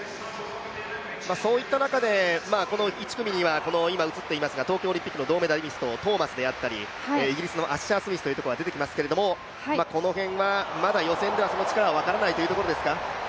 そういった中で、この１組目には東京オリンピックの銅メダリスト、トーマスであったり、イギリスのアッシャースミスというところがいますけどこの辺はまだ予選ではその力は分からないというところですか。